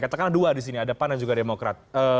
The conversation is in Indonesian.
katakanlah dua di sini ada pan dan juga demokrat